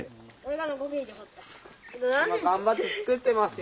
今頑張って作ってますよ。